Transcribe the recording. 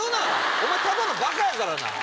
お前ただのバカやからな。